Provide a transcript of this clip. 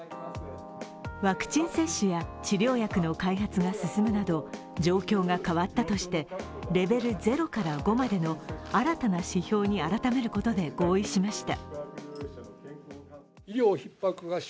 ワクチン接種や治療薬の開発が進むなど状況が変わったとしてレベル０から５までの新たな指標に改めることで合意しました。